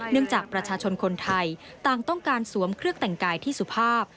จากประชาชนคนไทยต่างต้องการสวมเครื่องแต่งกายที่สุภาพ